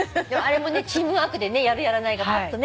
あれもねチームワークでやるやらないが。